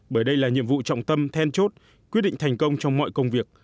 bởi đây là nhiệm vụ trọng tâm then chốt quyết định thành công trong mọi công việc